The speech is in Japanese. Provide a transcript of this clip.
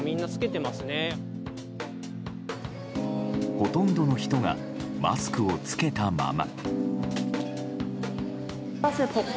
ほとんどの人がマスクを着けたまま。